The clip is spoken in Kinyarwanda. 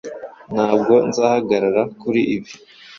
Ntabwo nzahagarara kuri ibi